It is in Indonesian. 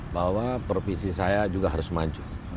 bahwa provinsi saya juga harus maju